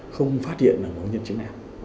không phát hiện là một nhân chứng nào